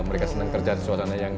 mereka senang kerja di suasana yang